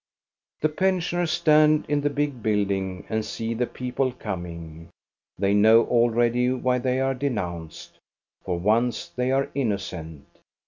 The pensioners stand in the big building and see the people coming. They know already why they are denounced. For once they are innocent.